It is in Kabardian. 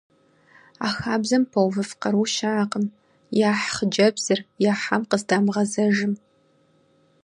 А хабзэм пэувыф къару щыӏэкъым — яхь хъыджэбзыр, яхьам къыздамыгъэзэжым…